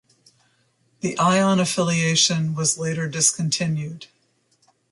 The Ion affiliation was later discontinued.